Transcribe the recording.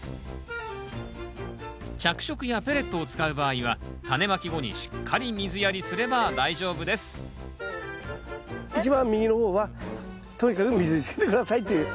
着色やペレットを使う場合はタネまき後にしっかり水やりすれば大丈夫です一番右の方はとにかく水につけて下さいという。